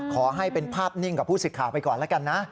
ขอให้เป็นภาพนิ่งกับผู้สิทธิ์ข่าวไปก่อนแล้วกันนะ